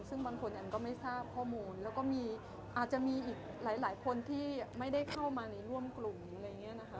ซึ่งบางคนแอนก็ไม่ทราบข้อมูลแล้วก็มีอาจจะมีอีกหลายคนที่ไม่ได้เข้ามาในร่วมกลุ่มอะไรอย่างนี้นะคะ